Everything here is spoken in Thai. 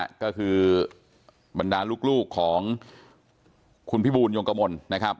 ก็คือบรรดาลูกของคุณพิบูลยงกมลนะครับ